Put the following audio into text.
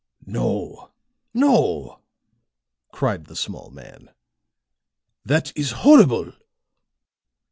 "No, no," cried the small man. "That is horrible!"